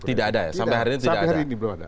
tidak ada ya sampai hari ini tidak ada